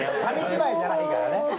紙芝居じゃないからね。